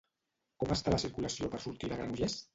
Com està la circulació per sortir de Granollers?